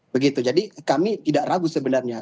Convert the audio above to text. begitu jadi kami tidak ragu sebenarnya